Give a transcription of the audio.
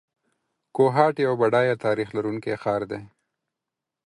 کوهاټ یو بډایه تاریخ لرونکی ښار دی.